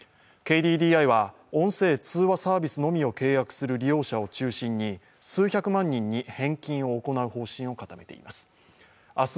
ＫＤＤＩは音声通話サービスのみを契約する利用者を中心に数百万人に返金を行う方針を固めています。